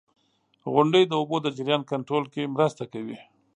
• غونډۍ د اوبو د جریان کنټرول کې مرسته کوي.